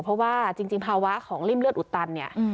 เพราะว่าจริงภาวะของริ่มเลือดอุดตันเนี่ย